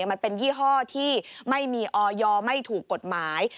มันเป็นยี่ห้อที่ไม่มีออยไม่ถูกกฎหมาย